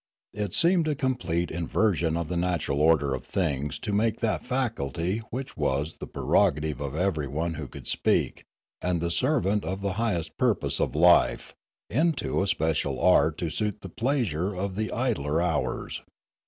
It seemed a com plete inversion of the natural order of things to make that faculty which was the prerogative of everyone who could speak, and the servant of the highest purpose of life, into a special art to suit the pleasure of the idler hours.